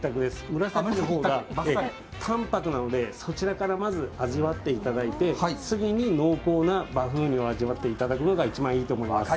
ムラサキの方が淡泊なのでそちらからまず味わっていただいてすぐに濃厚なバフンウニを味わっていただくのが一番いいと思います。